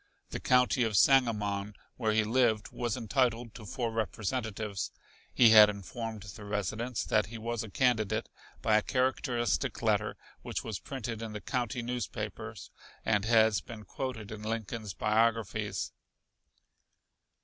The County of Sangamon, where he lived, was entitled to four representatives. He had informed the residents that he was a candidate by a characteristic letter which was printed in the county newspapers and has been quoted in Lincoln's biographies.